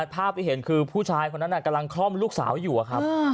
ภาพที่เห็นคือผู้ชายคนนั้นกำลังคล่อมลูกสาวอยู่อะครับ